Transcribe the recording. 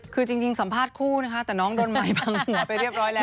คือจริงสัมภาษณ์คู่นะคะแต่น้องโดนหมายบังหัวไปเรียบร้อยแล้ว